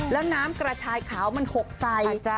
แล้วน้ำกระชายขาวมันหกใส่